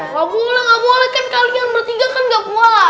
gak boleh gak boleh kan kalian bertiga kan gak puas